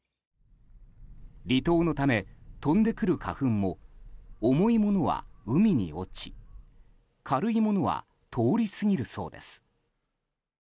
離島のため飛んでくる花粉も重いものは海に落ち軽いものは通り過ぎるそうです。